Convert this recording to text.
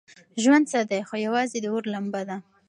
ژوند څه دی خو یوازې د اور لمبه ده.